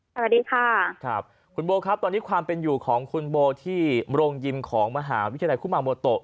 สวัสดีค่ะครับคุณโบครับตอนนี้ความเป็นอยู่ของคุณโบที่โรงยิมของมหาวิทยาลัยคุมาโมโต